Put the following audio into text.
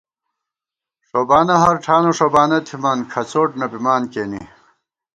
ݭوبانہ ہر ٹھانہ ݭوبانہ تھِمان کھَڅوٹ نہ بِمان کېنے